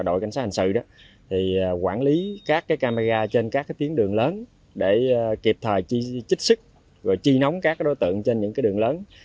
đội cảnh sát hành sự quản lý các camera trên các tiến đường lớn để kịp thời trích sức và chi nóng các đối tượng trên những đường lớn